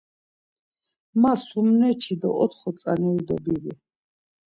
Ma sumneçi do otxo janeri dobivi.